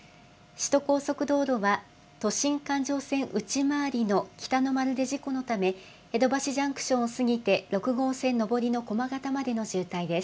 首都高速道路は都心環状線内回りの北の丸で事故のため、江戸橋ジャンクションを過ぎて、６号線上りのこまがたまでの渋滞です。